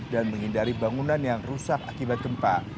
menghindari bangunan yang rusak akibat gempa